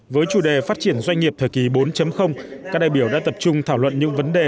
với chủ đề phát triển doanh nghiệp thời kỳ bốn các đại biểu đã tập trung thảo luận những vấn đề